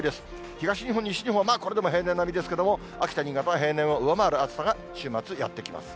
東日本、西日本、これでも平年並みですけど、秋田、新潟は平年を上回る暑さが週末、やって来ます。